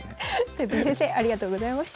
とよぴー先生ありがとうございました。